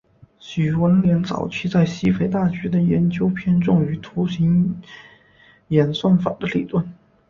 许闻廉早期在西北大学的研究偏重于图形演算法的理论。